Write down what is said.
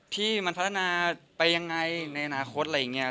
ที่มันพัฒนาไปยังไงในอนาคตอะไรอย่างนี้